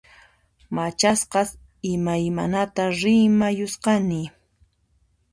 Machasqas imaymanata rimayusqani